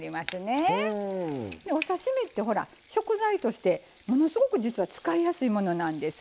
お刺身って食材として、ものすごく実は使いやすいものなんです。